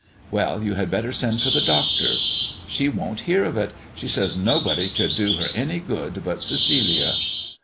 "Well, you had better send for the doctor." "She won't hear of it. She says nobody could do her any good but Cecilia."